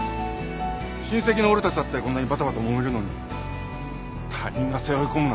親戚の俺たちだってこんなにばたばたもめるのに他人が背負い込むなんて。